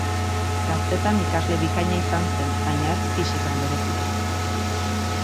Gaztetan ikasle bikaina izan zen, baina ez fisikan bereziki.